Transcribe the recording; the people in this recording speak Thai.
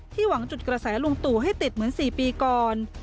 หวังจุดกระแสลุงตู่ให้ติดเหมือน๔ปีก่อน